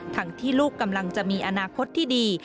ทั้งที่ลูกกำลังจะมีอนาคตที่ดี